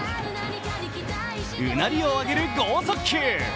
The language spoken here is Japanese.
うなりを上げる剛速球。